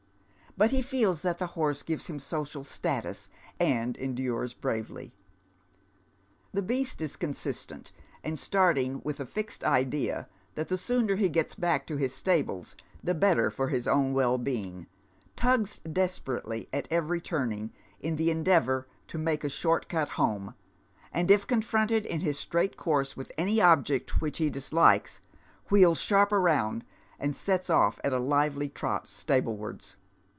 But he feels that the horse gives him social status, and endures braveh^. The beast is consistent, and starting with a fi^ed idea tliat ihe sooner he gets back to his stables the 94 Deaa 2lenh SJioa. better for his own well being, tngs desperatelT at every torair!^ in the endeavour to make a short cut home, and if confronted in his straight course with any object which he dislikes, wheels sharp round, and sets off at a lively trot stable wards.